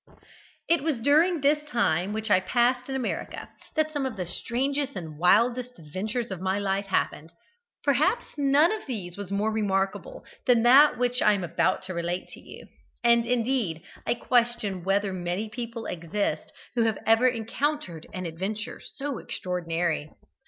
"It was during the time which I passed in America that some of the strangest and wildest adventures of my life happened. Perhaps none of these was more remarkable than that which I am about to relate to you, and indeed I question whether many people exist who have ever encountered an adventure so extraordinary.